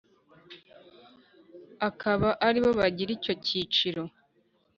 akaba aribo bagira icyo cyiciro